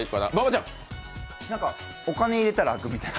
お金入れたら開くみたいな。